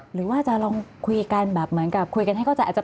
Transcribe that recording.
หรือว่าจะลองคุยกันแบบเหมือนกับคุยกันให้เข้าใจอาจจะ